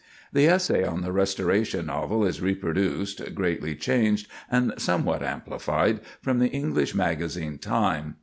The essay on the Restoration novel is reproduced, greatly changed and somewhat amplified, from the English magazine, "Time."